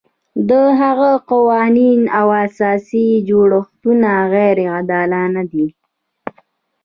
د هغه قوانین او اساسي جوړښتونه غیر عادلانه دي.